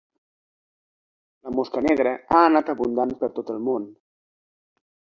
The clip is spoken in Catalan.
La mosca negra ha anat abundant per tot el món.